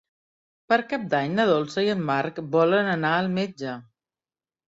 Per Cap d'Any na Dolça i en Marc volen anar al metge.